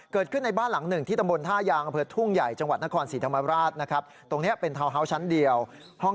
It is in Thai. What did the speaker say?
เกิดขึ้นในบ้านหลังหนึ่ง